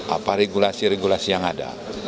apa regulasi regulasi yang ada